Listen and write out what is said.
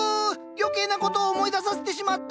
余計なこと思い出させてしまった。